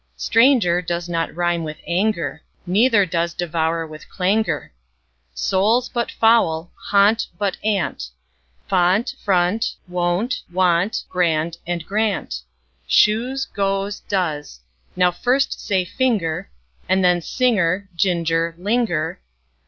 Stranger does not rime with anger, Neither does devour with clangour. Soul, but foul and gaunt, but aunt; Font, front, wont; want, grand, and, grant, Shoes, goes, does.) Now first say: finger, And then: singer, ginger, linger.